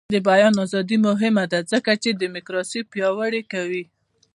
د بیان ازادي مهمه ده ځکه چې دیموکراسي پیاوړې کوي.